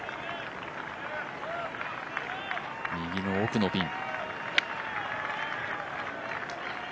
右の奥のピン。